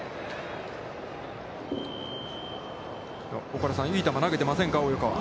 岡田さん、いい球を投げていませんか、及川は。